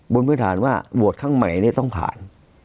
บนพื้นฐานว่าโหวตข้างใหม่เนี่ยต้องผ่าน